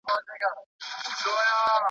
موږ باید په نړۍ کي د تورم مخه ونیسو.